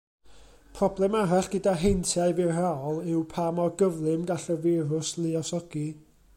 Problem arall gyda heintiau firaol yw pa mor gyflym gall y firws luosogi.